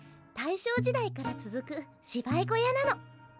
大正時代から続く芝居小屋なの。